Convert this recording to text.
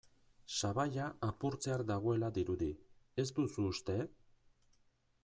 Sabaia apurtzear dagoela dirudi, ez duzu uste?